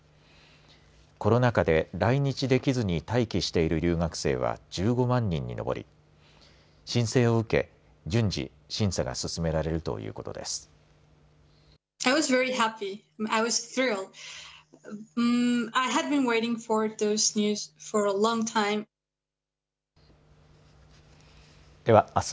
コロナ禍で来日できずに待機している留学生は１５万人に上り申請を受け順次、審査が進められるということです。